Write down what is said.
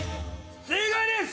正解です！